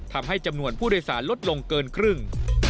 ทำให้จำนวนผู้โดยสารลดลงเกินครึ่ง